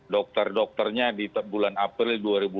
dokter dokternya di bulan april dua ribu dua puluh